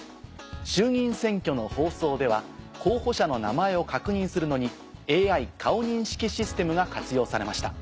衆議院選挙の放送では候補者の名前を確認するのにＡＩ顔認識システムが活用されました。